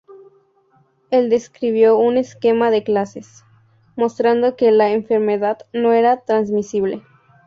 Él describió un esquema de clases, mostrando que la enfermedad no era transmisible.